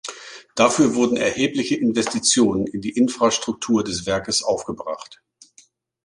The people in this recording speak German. Dafür wurden erhebliche Investitionen in die Infrastruktur des Werkes aufgebracht.